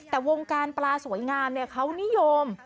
แต่วงการปลาสวยงามเขานิยม